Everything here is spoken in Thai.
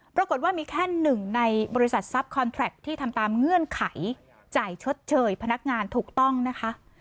ปรากฏว่ามีแค่หนึ่งในบริษัททรัพย์คอนแทรคที่ทำตามเงื่อนไขจ่ายชดเชยพนักงานถูกต้องนะคะ